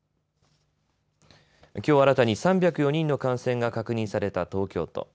きょう新たに３０４人の感染が確認された東京都。